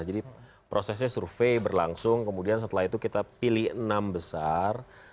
jadi prosesnya survei berlangsung kemudian setelah itu kita pilih enam besar